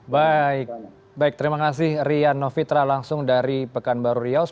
baik baik terima kasih rian novitra langsung dari pekanbaru riau